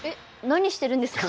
何してるんですか？